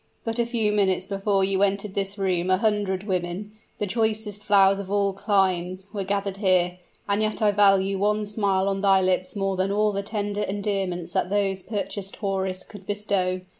"But a few minutes before you entered this room a hundred women the choicest flowers of all climes were gathered here; and yet I value one smile on thy lips more than all the tender endearments that those purchased houris could bestow.